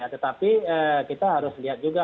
tetapi kita harus lihat juga